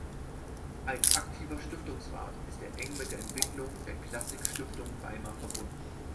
Als aktiver Stiftungsrat ist er eng mit der Entwicklung der Klassik Stiftung Weimar verbunden.